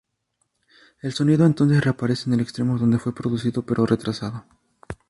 El sonido entonces reaparece en el extremo donde fue producido pero retrasado.